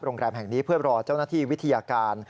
โรงแรมแห่งนี้เพื่อรอเจ้าหน้าที่วิทยาการ